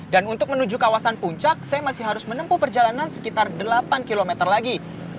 untuk menuju kawasan puncak saya masih harus menempuh perjalanan sekitar delapan km lagi